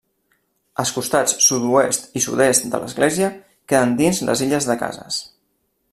Els costats sud-oest i sud-est de l'església queden dins d'illes de cases.